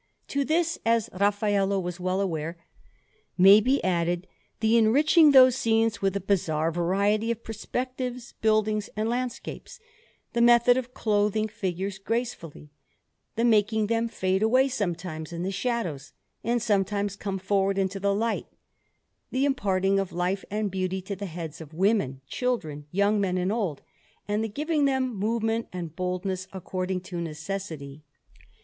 To this, as Raffaello was well aware, may be added the enriching those scenes with a bizarre variety of perspectives, buildings, and landscapes, the method of clothing figures gracefully, the making them fade away sometimes in the shadows, and sometimes come forward into the light, the imparting of life and beauty to the heads of women, children, young men and old, and the giving them movement and boldness, according to necessity.